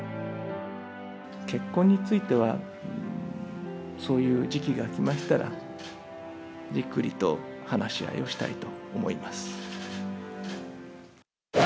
結婚については、そういう時期が来ましたら、じっくりと話し合いをしたいと思います。